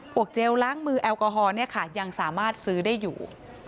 เจลล้างมือแอลกอฮอลยังสามารถซื้อได้อยู่